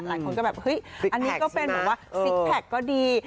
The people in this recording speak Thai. หลายคนก็แบบเฮ้ยอันนี้ก็เป็นแบบว่าซิกแพคก็ดี